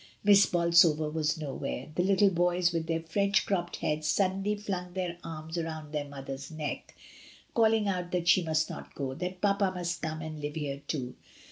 Miss Bolsover was nowhere. The little boys, with their French cropped heads, suddenly flung their arms round their mother's neck, calling out that she must not go — that papa must come and live here too.